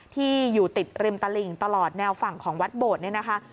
ที่อยู่ติดริมตลิ่งตลอดแนวฝั่งของวัดโบดเนี่ยนะคะ